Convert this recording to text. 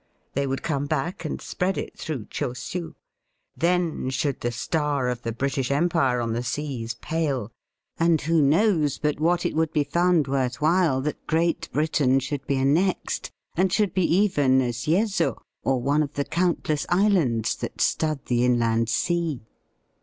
They would come back and spread it through Chosiu. Then should the star of the British Empire on the seas pale, and who knows but what it would be found worth while that Great Britain should be annexed, and should be even as Tezzo, or one of the countless islands that stud the Inland Sea